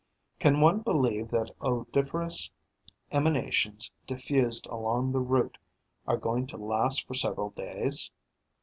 Can one believe that odoriferous emanations diffused along the route are going to last for several days?